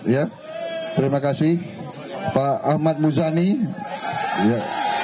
ya terima kasih pak ahmad muzani ya